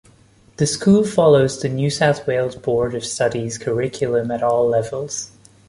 The School follows the New South Wales Board of Studies curriculum at all levels.